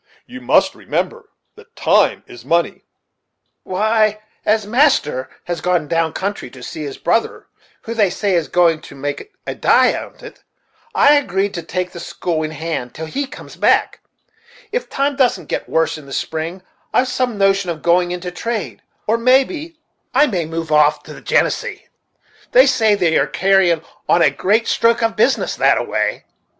You must remember that time is money." "Why, as master has gone down country to see his mother, who, they say, is going to make a die on't, I agreed to take the school in hand till he comes back, It times doesn't get worse in the spring, I've some notion of going into trade, or maybe I may move off to the Genesee; they say they are carryin' on a great stroke of business that a way.